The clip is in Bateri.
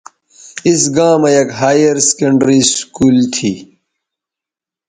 اِس گاں مہ یک ہائیر سیکنڈری سکول تھی